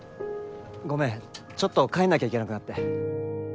ごめんちょっと帰んなきゃいけなくなって。